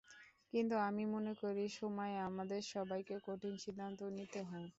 কিন্তু আমি মনে করি, সময়ে আমাদের সবাইকে কঠিন সিদ্ধান্তও নিতে হয়।